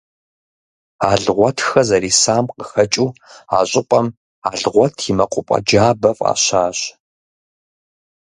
Алгъуэтхэ зэрисам къыхэкӏыу, а щӏыпӏэм «Алгъуэт и мэкъупӏэ джабэ» фӏащащ.